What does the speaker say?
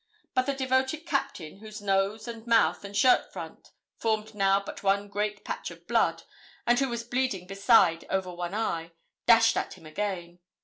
But the devoted Captain, whose nose, and mouth, and shirt front formed now but one great patch of blood, and who was bleeding beside over one eye, dashed at him again.